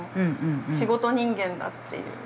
仕事人間だという。